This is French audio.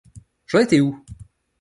J’en étais où ?